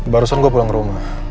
barusan gue pulang rumah